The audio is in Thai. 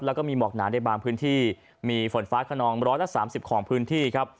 แล้วก็มีหมอกหนาในบางพื้นที่มีฝนฟ้าขนอง๑๓๐ของพื้นที่ครับ